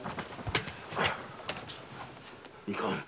いかん。